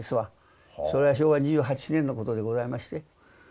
それは昭和２８年のことでございまして。